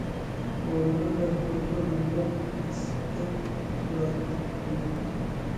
نورمال ئەھۋالدا بۇنداق نىسبەت تۇراقلىق بولىدۇ.